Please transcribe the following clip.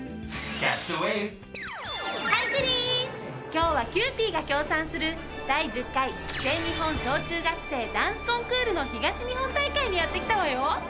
今日はキユーピーが協賛する第１０回全日本小中学生ダンスコンクールの東日本大会にやって来たわよ！